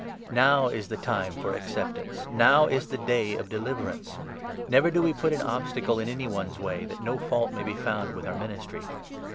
Now is the time for acceptance ! Now is the day of de liverance ! Never do we put an obstacle in any one's way, 3 that no fault may be found with our ministry.